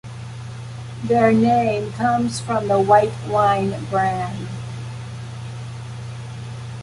Their name comes from the white wine brand.